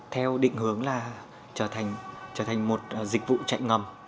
theo định hướng là trở thành một dịch vụ chạy ngầm